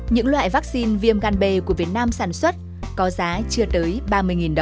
những loại vaccine viêm gan b của việt nam sản xuất có giá chưa tới ba mươi đồng